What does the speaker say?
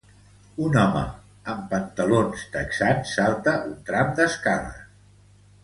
Un home amb pantalons texans salta un tram d'escales.